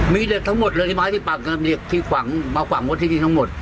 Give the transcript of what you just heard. มีเด็ดทั้งหมดเลยไม้ที่ปากที่ขวังมาขวังที่นี่ทั้งหมด